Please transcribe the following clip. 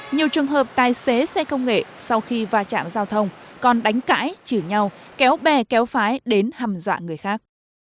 nhiều trường hợp tài xế xe công nghệ sau khi va chạm giao thông còn đánh cãi chửi nhau kéo bè kéo phái đến hầm dọa người khác